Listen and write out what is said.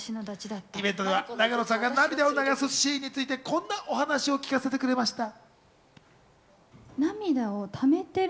イベントでは永野さんが涙を流すシーンについてこんなお話を聞かせてくれました。